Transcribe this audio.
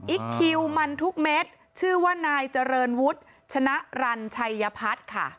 คิวมันทุกเม็ดชื่อว่านายเจริญวุฒิชนะรันชัยพัฒน์ค่ะ